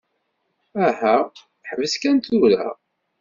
Aha, ḥbes kan tura.